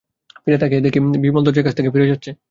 ফিরে তাকিয়ে দেখি, বিমল দরজার কাছ থেকে ফিরে যাচ্ছে।